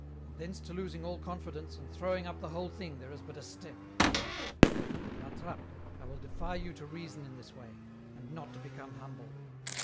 117 and thence to losing all confidence, and throwing up the whole thing there is but a step. At La Trappe, I will defy you to reason in this way, and not to become humble.